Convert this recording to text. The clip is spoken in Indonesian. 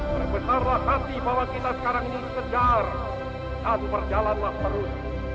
berbesarlah hati bahwa kita sekarang disejar dan berjalanlah terus